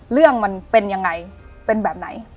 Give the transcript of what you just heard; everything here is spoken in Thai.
เรื่องมันเป็นยังไงเป็นแบบไหน